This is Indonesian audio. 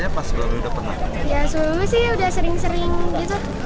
ya sebelumnya sih udah sering sering gitu